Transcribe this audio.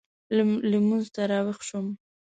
لمونځ ته راوېښ شوم.